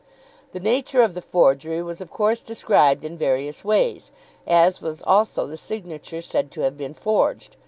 The nature of the forgery was of course described in various ways, as was also the signature said to have been forged.